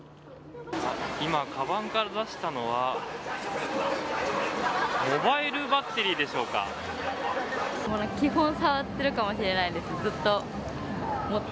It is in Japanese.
今、かばんから出したのはモバイルバッテリーでしょうか。